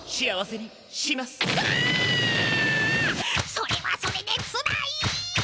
それはそれでつらい！